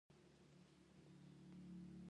د سرپل په ګوسفندي کې څه شی شته؟